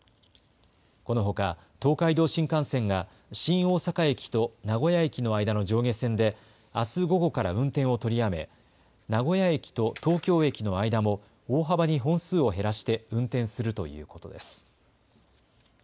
このほか、東海道新幹線が新大阪駅と名古屋駅の間の上下線で、あす午後から運転を取りやめ、名古屋駅と東京駅の間も、大幅に本数を減らして運転するということです。